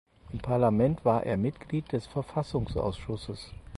Im Parlament war er Mitglied des Verfassungsausschusses.